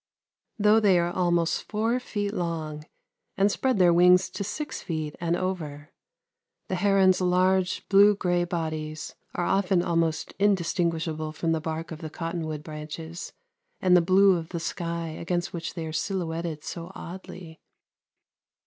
Though they are almost four feet long and spread their wings to six feet and over, the herons' large blue grey bodies are often almost indistinguishable from the bark of the cottonwood branches and the blue of the sky against which they are silhouetted so oddly.